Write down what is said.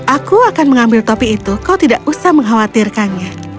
aku akan mengambil topi itu kau tidak usah mengkhawatirkannya